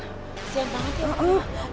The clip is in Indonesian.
kasihan banget ya mbak